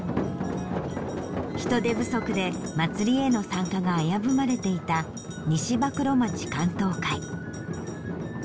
人手不足でまつりへの参加が危ぶまれていた西馬口労町竿燈会。